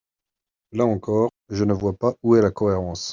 Là encore, je ne vois pas où est la cohérence.